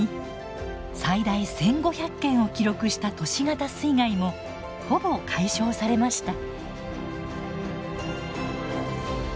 最大１，５００件を記録した都市型水害もほぼ解消されました。